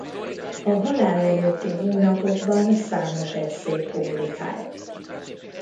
A halála előtti hónapokban számos esszét publikált.